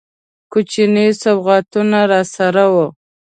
کوچني سوغاتونه راسره وه.